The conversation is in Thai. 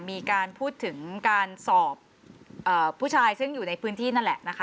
มีการพูดถึงการสอบผู้ชายซึ่งอยู่ในพื้นที่นั่นแหละนะคะ